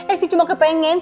esi cuma kepengen